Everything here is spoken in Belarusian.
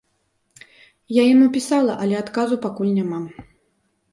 Я яму пісала, але адказу пакуль няма.